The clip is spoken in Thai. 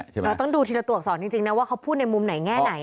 จะตรวจสอนจริงนะว่าเขาพูดในมุมไหนแง่ไหน